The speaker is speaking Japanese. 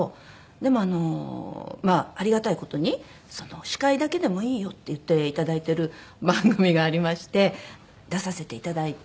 でもまあありがたい事に「司会だけでもいいよ」って言っていただいてる番組がありまして出させていただいて。